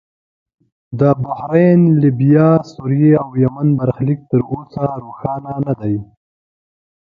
د بحرین، لیبیا، سوریې او یمن برخلیک تر اوسه روښانه نه دی.